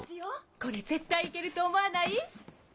これ絶対イケると思わない？